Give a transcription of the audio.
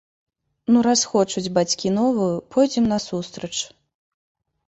Ну раз хочуць бацькі новую, пойдзем насустрач.